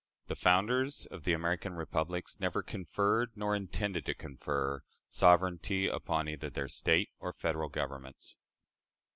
The founders of the American republics never conferred, nor intended to confer, sovereignty upon either their State or Federal Governments.